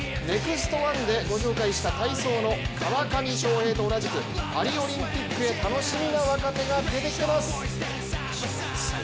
「ＮＥＸＴ☆１」でご紹介した体操の川上翔平と同じくパリオリンピックへ楽しみな若手が出てきてます。